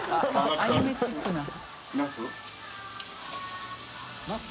アニメチックな。